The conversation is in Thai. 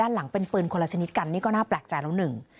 หลังเป็นปืนคนละชนิดกันนี่ก็น่าแปลกใจแล้วหนึ่ง